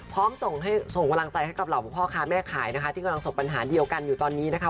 ส่งกำลังใจให้กับเหล่าพ่อค้าแม่ขายนะคะที่กำลังสบปัญหาเดียวกันอยู่ตอนนี้นะคะ